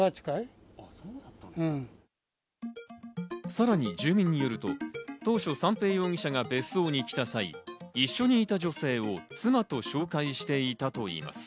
さらに住民によると、当初、三瓶容疑者が別荘に来た際、一緒にいた女性を妻と紹介していたといいます。